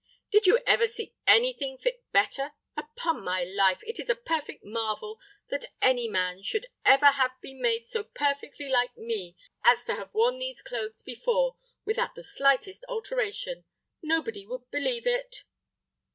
"Did you ever see any thing fit better? Upon my life, it is a perfect marvel that any man should ever have been made so perfectly like me as to have worn these clothes before, without the slightest alteration! Nobody would believe it."